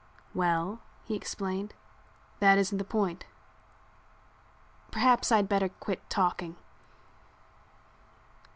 "Well," he explained, "that isn't the point. Perhaps I'd better quit talking."